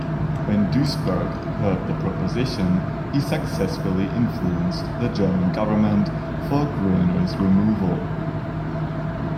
When Duisberg heard the proposition, he successfully influenced the German government for Groener's removal.